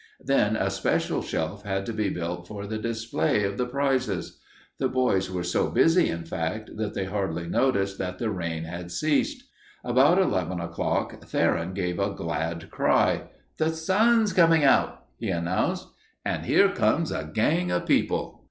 Then a special shelf had to be built for the display of the prizes. The boys were so busy, in fact, that they hardly noticed that the rain had ceased. About eleven o'clock Theron gave a glad cry. "The sun's coming out," he announced. "And here comes a gang of people."